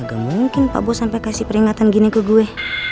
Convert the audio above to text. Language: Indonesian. gak mungkin pak bo sampai kasih peringatan gini ke gue